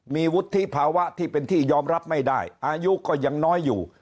มีวุฒิภาวะที่เป็นที่ยอมรับไม่ได้อายุก็ยังน้อยอยู่